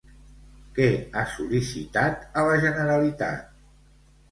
Què ha sol·licitat a la Generalitat?